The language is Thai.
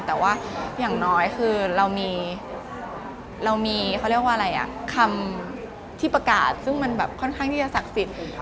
แต่ว่าอย่างน้อยคือเรามีคำที่ประกาศซึ่งมันค่อนข้างที่จะศักดิ์สิทธิ์